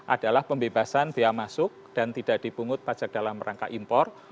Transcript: adalah pembebasan biaya masuk dan tidak dipungut pajak dalam rangka impor